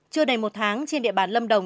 chưa đầy một tháng trên địa bàn lâm đồng